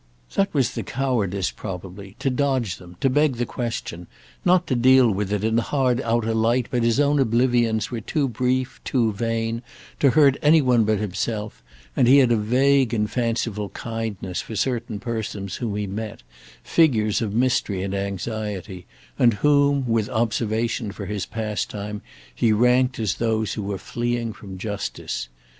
That was the cowardice, probably—to dodge them, to beg the question, not to deal with it in the hard outer light; but his own oblivions were too brief, too vain, to hurt any one but himself, and he had a vague and fanciful kindness for certain persons whom he met, figures of mystery and anxiety, and whom, with observation for his pastime, he ranked as those who were fleeing from justice.